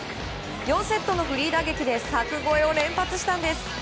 ４セットのフリー打撃で柵越えを連発したんです。